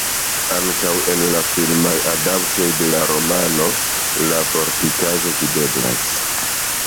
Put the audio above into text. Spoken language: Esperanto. Ankaŭ en la filmaj adaptoj de la romano la fortikaĵo videblas.